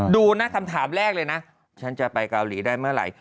ดูนะคำถามแรกเลยนะฉันจะไปเกาหลีได้เมื่อไหร่